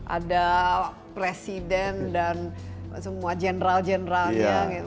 ada presiden dan semua general generalnya